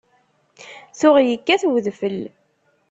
Tuɣ yekkat wedfel.